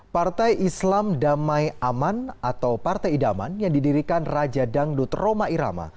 partai islam damai aman atau partai idaman yang didirikan raja dangdut roma irama